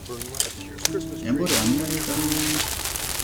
އެނބުރި އަންނަނީތަ؟